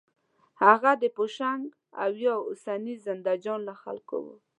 هغه د پوشنګ او یا اوسني زندهجان له خلکو و.